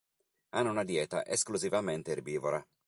Hanno una dieta esclusivamente erbivora.